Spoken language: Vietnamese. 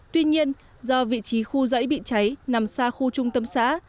tuy nhiên do vị trí khu dãy bị cháy nằm xa khu trung tâm xã